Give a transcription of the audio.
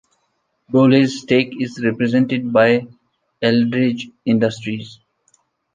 Boehly's stake is represented by Eldridge Industries.